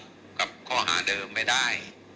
คือเวลากับข้อหาเดิมไม่ได้